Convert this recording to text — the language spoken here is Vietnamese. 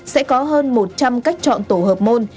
sẽ có hơn một trăm linh cách chọn tổ hợp môn